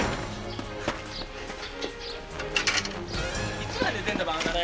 いつまで寝てんだバカタレ。